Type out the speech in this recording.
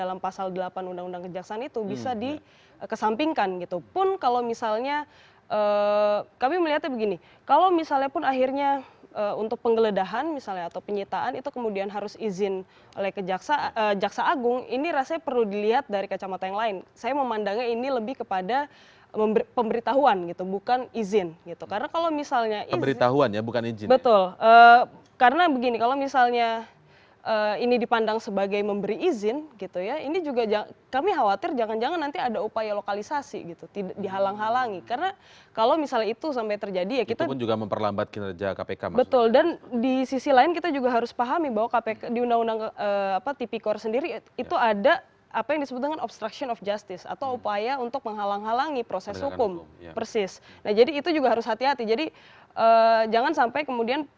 applicable begitu ya